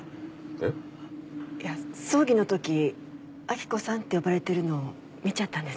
えっ？いや葬儀のとき「明子さん」って呼ばれてるの見ちゃったんです。